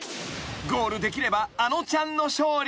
［ゴールできればあのちゃんの勝利］